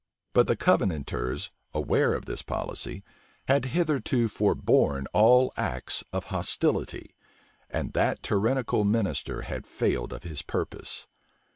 But the Covenanters, aware of this policy, had hitherto forborne all acts of hostility; and that tyrannical minister had failed of his purpose.